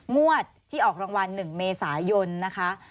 งวดที่ออกรางวัล๑เมษายนนะคะ